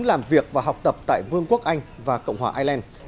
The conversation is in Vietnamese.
làm việc và học tập tại vương quốc anh và cộng hòa ireland